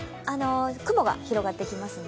雲が広がってきます。